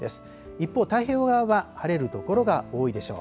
一方、太平洋側は晴れる所が多いでしょう。